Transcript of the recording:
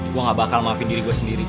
gue gak bakal maafin diri gue sendiri